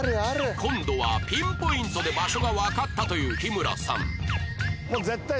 今度はピンポイントで場所がわかったという日村さん